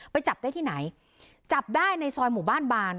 จับได้ที่ไหนจับได้ในซอยหมู่บ้านบาน